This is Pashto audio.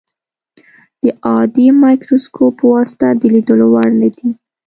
د عادي مایکروسکوپ په واسطه د لیدلو وړ نه دي.